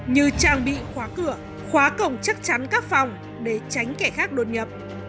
như trang bị khóa cửa khóa cổng chắc chắn các phòng để tránh kẻ khác đột nhập